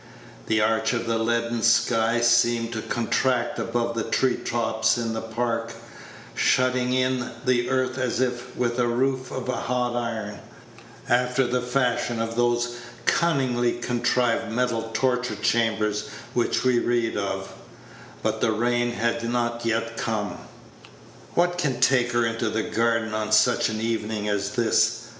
The arch of the leaden sky seemed to contract above the tree tops in the Park, shutting in the earth as if with a roof of hot iron, after the fashion of those cunningly contrived metal torture chambers which we read of; but the rain had not yet come. "What can take her into the garden on such an evening as this?"